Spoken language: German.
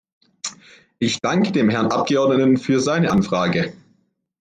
Ich danke dem Herrn Abgeordneten für seine Anfrage.